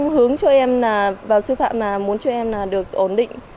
em cũng hướng cho em vào sư phạm là muốn cho em được ổn định